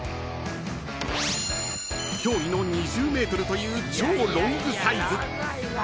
［驚異の２０ｍという超ロングサイズ］